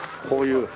こういう。